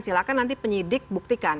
silakan nanti penyidik buktikan